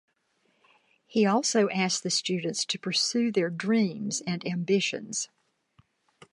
He also asked the students to pursue their dreams and ambitions.